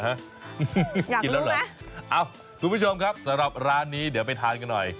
กินแล้วเหรอเอ้าคุณผู้ชมครับสำหรับร้านนี้เดี๋ยวไปทานกันหน่อย